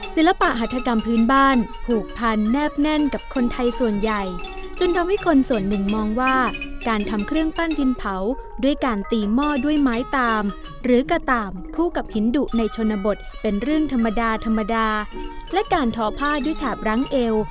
ศิลปะหัฐกรรมพื้นบ้านผูกพันแนบแน่นกับคนไทยส่วนใหญ่จนทำให้คนส่วนหนึ่งมองว่าการทำเครื่องปั้นดินเผาด้วยการตีหม้อด้วยไม้ตามหรือกระตามคู่กับหินดุในชนบทเป็นเรื่องธรรมดาธรรมดาและการทอผ้าด้วยแถบรั้งเอว